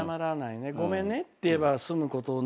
「ごめんね」って言えば済むことなのに。